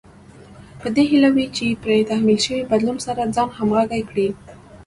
په دې هيله وي چې پرې تحمیل شوي بدلون سره ځان همغږی کړي.